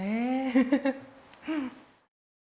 フフフ。